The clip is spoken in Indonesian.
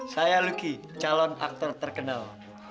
saya lucky calon aktor terkenal